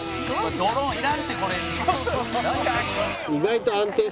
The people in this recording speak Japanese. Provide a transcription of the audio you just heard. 「ドローンいらんってこれに」